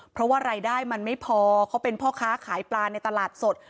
เพราะว่ารายได้มันไม่พอเขาเป็นพ่อค้าขายปลาในตลาดสด